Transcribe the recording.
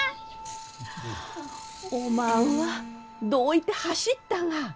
おまんはどういて走ったが！